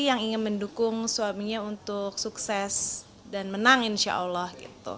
yang ingin mendukung suaminya untuk sukses dan menang insya allah